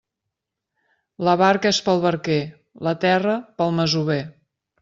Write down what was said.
La barca és pel barquer; la terra, pel masover.